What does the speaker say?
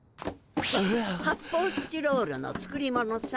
発泡スチロールの作り物さ。